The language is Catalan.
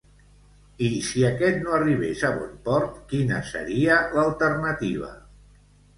I si aquest no arribés a bon port, quina seria l'alternativa?